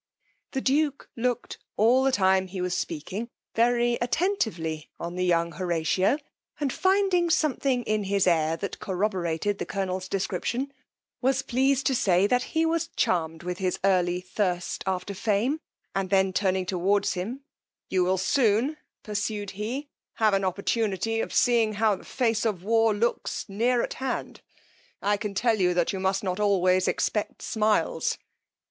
The duke looked all the time he was speaking very attentively on the young Horatio, and finding something in his air that corroborated the colonel's description, was pleased to say, that he was charm'd with his early thirst after same; and then turning toward him, you will soon, pursued he, have an opportunity of seeing how the face of war looks, near at hand: I can tell you, that you must not always expect smiles.